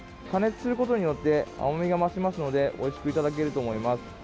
加熱することによって甘みが増しますのでおいしくいただけると思います。